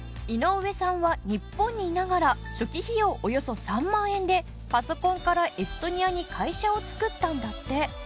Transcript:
井上さんは日本にいながら初期費用およそ３万円でパソコンからエストニアに会社を作ったんだって。